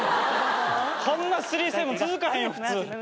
こんなスリーセブン続かへんよ普通。